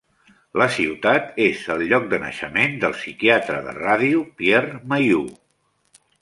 La ciutat és el lloc de naixement del psiquiatre de ràdio Pierre Mailloux.